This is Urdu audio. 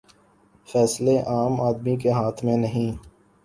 فیصلے عام آدمی کے ہاتھ میں نہیں۔